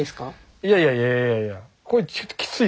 いやいやいやいや。